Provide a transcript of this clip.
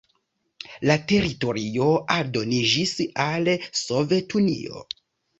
La teritorio aldoniĝis al Sovetunio.